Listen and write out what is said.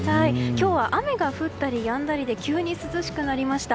今日は雨が降ったりやんだりで急に涼しくなりました。